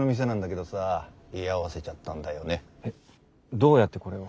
どうやってこれを。